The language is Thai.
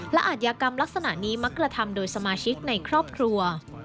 และอาทยากรรมลักษณะนี้มักกระทำโดยสมาชิกในครอบครัว